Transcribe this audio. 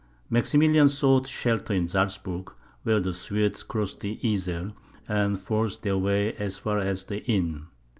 Maximilian sought shelter in Salzburgh, while the Swedes crossed the Iser, and forced their way as far as the Inn.